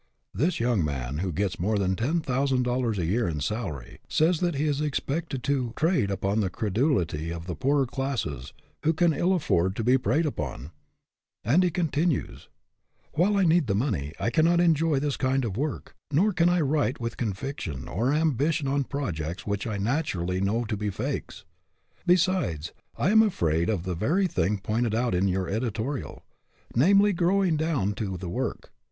This young man, who gets more than ten thousand dollars a year in salary, says that he is expected to " trade upon the credulity of the poorer classes, who can ill afford to be preyed upon," and he continues: " While I need the money, I cannot enjoy this kind of work, nor can I write with convic tion or ambition on projects which I naturally know to be fakes. Besides, I am afraid of the very thing pointed out in your editorial ; namely, growing down to the work.